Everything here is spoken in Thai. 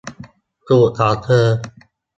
ถูกของเธอ